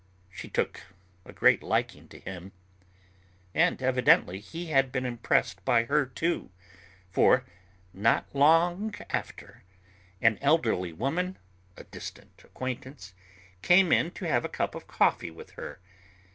She took a great liking to him. And evidently he had been impressed by her, too; for, not long after, an elderly woman, a distant acquaintance, came in to have a cup of coffee with her.